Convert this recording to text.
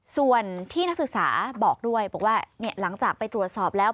ส่วนที่นักศึกษาบอกด้วยบอกว่าหลังจากไปตรวจสอบแล้ว